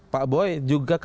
pak boy juga kak polri